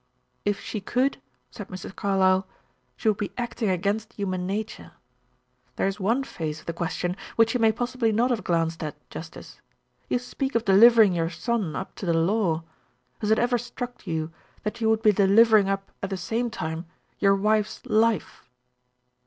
"If she could," said Mr. Carlyle, "she would be acting against human nature. There is one phase of the question which you may possibly not have glanced at, justice. You speak of delivering your son up to the law; has it ever struck you that you would be delivering up at the same time your wife's life?"